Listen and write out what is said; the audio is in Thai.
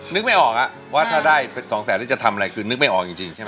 นึกไม่ออกว่าถ้าได้เป็นสองแสนหรือจะทำอะไรคือนึกไม่ออกจริงใช่ไหม